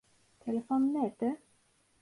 Telefon nerede?